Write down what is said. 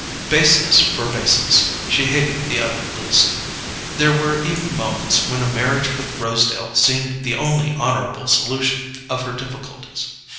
Baseness for baseness, she hated the other least: there were even moments when a marriage with Rosedale seemed the only honourable solution of her difficulties.